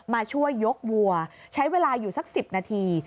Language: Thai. มาช่วยยกวัวใช้เวลาอยู่สัก๑๐นาที